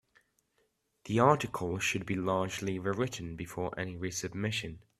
The article should be largely rewritten before any resubmission.